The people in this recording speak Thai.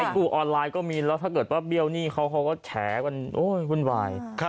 กู้ออนไลน์ก็มีแล้วถ้าเกิดว่าเบี้ยวหนี้เขาเขาก็แฉกันวุ่นวาย